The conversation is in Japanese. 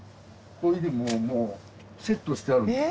これでもうセットしてある。